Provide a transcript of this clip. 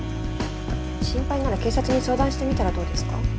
心配なら警察に相談してみたらどうですか？